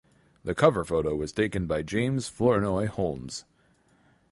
The cover photo was taken by James Flournoy Holmes.